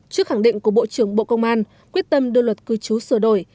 trước khẳng định của bộ trưởng bộ công an quyết tâm đưa luật cư trú sửa đổi